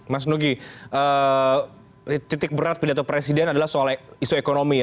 mas nugi titik berat pidato presiden adalah soal isu ekonomi ya